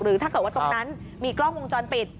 ถ้าเกิดว่าตรงนั้นมีกล้องวงจรปิด